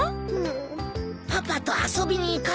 パパと遊びに行かないの？